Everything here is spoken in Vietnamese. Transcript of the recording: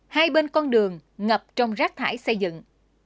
hai bên con đường ngập trong rác thải xây dựng